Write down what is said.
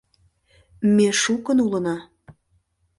Ме шукын улына.